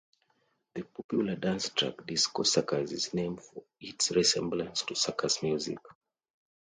The popular dance track "Disco Circus" is named for it's resemblance to circus music.